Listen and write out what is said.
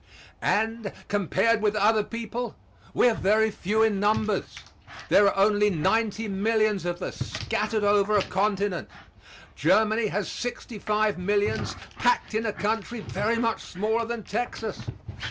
And, compared with other peoples, we are very few in numbers. There are only ninety millions of us, scattered over a continent. Germany has sixty five millions packed in a country very much smaller than Texas.